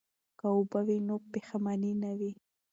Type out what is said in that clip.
که اوبه وي نو پښیماني نه وي.